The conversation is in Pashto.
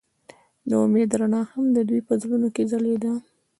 د امید رڼا هم د دوی په زړونو کې ځلېده.